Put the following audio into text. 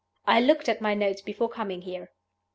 I looked at my notes before coming here.